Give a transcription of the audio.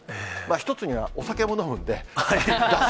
一つには、お酒も飲むんで、脱水。